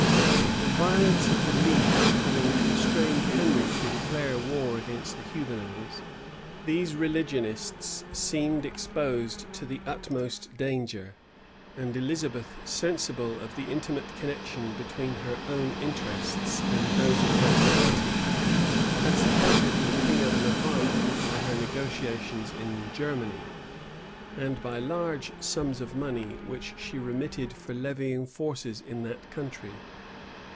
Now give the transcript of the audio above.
The violence of the league having constrained Henry to declare war against the Hugonots, these religionists seemed exposed to the utmost danger; and Elizabeth sensible of the intimate connection between her own interests and those of that party, had supported the king of Navarre by her negotiations in Germany, and by large sums of money, which she remitted for levying forces in that country.